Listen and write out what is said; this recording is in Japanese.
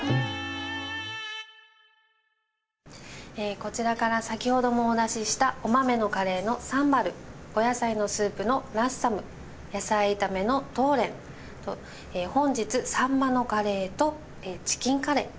こちらから先ほどもお出ししたお豆のカレーのサンバルお野菜のスープのラッサム野菜炒めのトーレン本日サンマのカレーとチキンカレー。